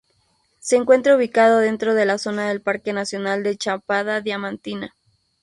Se encuentra ubicado dentro de la zona del Parque nacional de Chapada Diamantina.